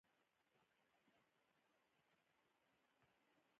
مهاجر کله راستنیږي؟